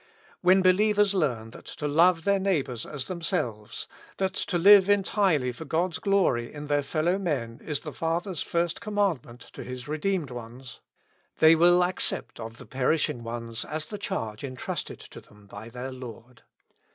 When believers learn that to love their neighbors as themselves, that to live entirely for God's glory in their fellow men, is the Father's first commandment to His redeemed ones, they will accept of the perish ing ones as the charge entrusted to them by their Lord.